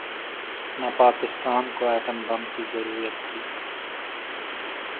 نہ پاکستان کو atom bomb کی ضرورت تھی۔